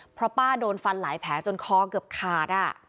เพราะป้าโดนฟันหลายแผลจนคอเกือบขาด